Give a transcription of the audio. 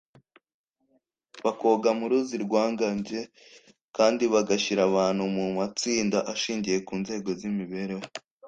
bakoga mu ruzi rwa gange, kandi bagashyira abantu mu matsinda ashingiye ku nzego z’imibereho